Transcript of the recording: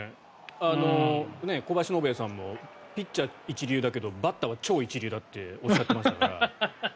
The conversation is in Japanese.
小林信也さんもピッチャー、一流だけどバッターは超一流だっておっしゃっていましたから。